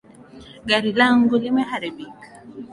Gari langu limeharibika